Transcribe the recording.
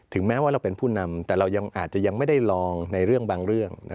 แม้ว่าเราเป็นผู้นำแต่เราอาจจะยังไม่ได้ลองในเรื่องบางเรื่อง